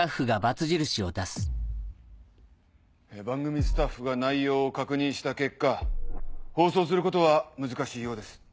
番組スタッフが内容を確認した結果放送することは難しいようです。